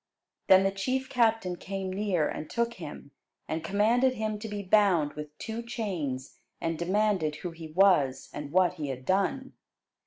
Then the chief captain came near, and took him, and commanded him to be bound with two chains; and demanded who he was, and what he had done.